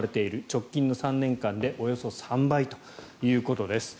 直近の３年間でおよそ３倍ということです。